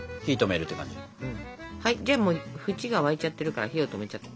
はいじゃあもう縁が沸いちゃってるから火を止めちゃって。